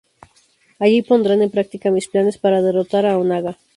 Allí pondrán en práctica mis planes para derrotar a Onaga.